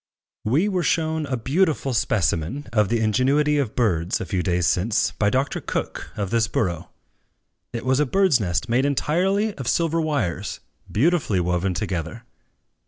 We were shown a beautiful specimen of the ingenuity of birds, a few days since, by Dr. Cook, of this borough. It was a birdsnest made entirely of silver wires, beautifully woven together.